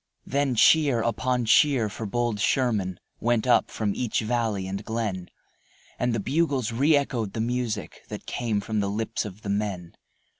Then cheer upon cheer for bold Sherman Went up from each valley and glen, And the bugles re echoed the music That came from the lips of the men.